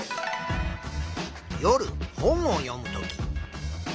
夜本を読むとき。